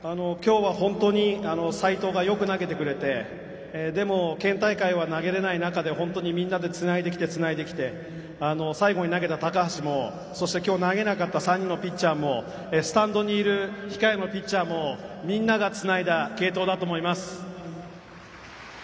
今日は本当に斎藤がよく投げてくれてでも県大会は投げれない中で本当にみんなでつないできてつないできて最後に投げた橋もそして今日投げなかった３人のピッチャーもスタンドにいる控えのピッチャーもみんながつないだ継投だと思います。